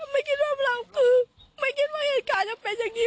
ไม่คิดว่าเราคือไม่คิดว่าเหตุการณ์จะเป็นอย่างนี้